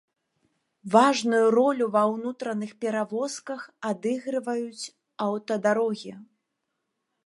Важную ролю ва ўнутраных перавозках адыгрываюць аўтадарогі.